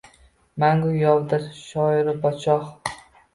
Mangu yovdir shoiru-podshoh